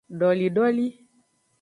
Dolidoli.